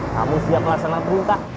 kamu siap pelaksanaan perungka